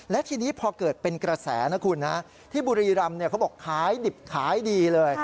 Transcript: และทีนี้พอเกิดเป็นกระแสนะคุณนะที่บุรีรำเขาบอกขายดิบขายดีเลย